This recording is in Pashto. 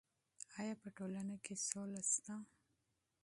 ایا په ټولنه کې سوله شته؟